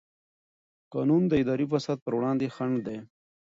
قانون د اداري فساد پر وړاندې خنډ دی.